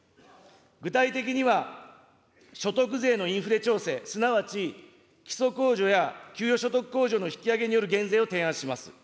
具体的には、所得税のインフレ調整、すなわち基礎控除や、給与所得控除の引き上げによる減税を提案します。